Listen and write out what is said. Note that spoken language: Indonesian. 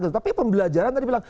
tapi pembelajaran tadi bilang